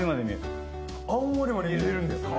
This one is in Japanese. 青森まで見えるんですか。